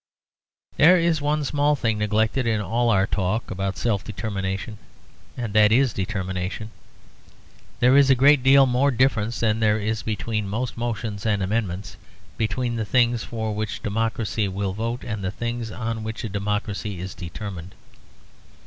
There is one small thing neglected in all our talk about self determination; and that is determination. There is a great deal more difference than there is between most motions and amendments between the things for which a democracy will vote and the things on which a democracy is determined.